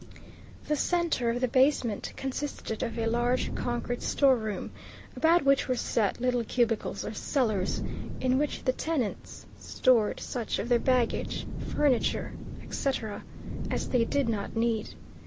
The centre of the basement consisted of a large concrete store room, about which were set little cubicles or cellars in which the tenants stored such of their baggage, furniture, etc., as they did not need.